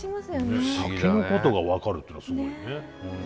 先のことが分かるっていうのがすごいよね。